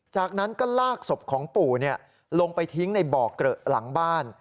จากนั้นก็ลากศพของปู่ลงไปทิ้งในบ่อเกลอะหลังบ้าน